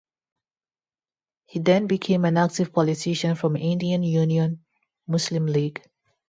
He then became an active politician from Indian Union Muslim League.